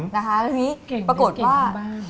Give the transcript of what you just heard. แล้วทีนี้ปรากฏว่า